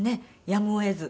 やむを得ず。